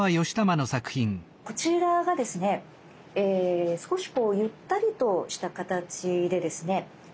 こちらがですね少しゆったりとした形でですね